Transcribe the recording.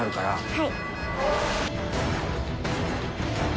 はい。